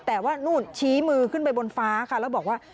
แต่ว่านู่นชี้มือขึ้นไปบนฟ้าค่ะแล้วบอกว่า